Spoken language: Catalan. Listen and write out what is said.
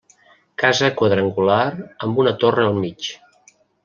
Casa quadrangular amb una torre al mig.